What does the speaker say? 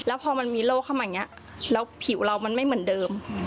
พอมันมีโรคเข้ามาอย่างนี้แล้วผิวเรามันไม่เหมือนเดิม